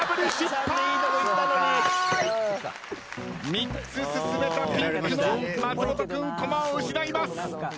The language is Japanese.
３つ進めたピンクの松本君コマを失います。